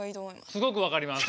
すごくわかります。